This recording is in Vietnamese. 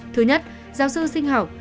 thứ nhất giáo sư sinh học